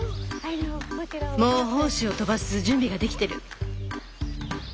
もう胞子を飛ばす準備ができてる。